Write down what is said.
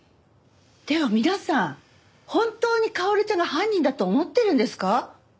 でも皆さん本当に薫ちゃんが犯人だと思ってるんですか？